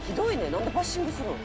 なんでバッシングするの？」